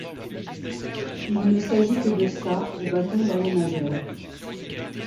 Il ne s'agit que de sa au bâton dans les majeures.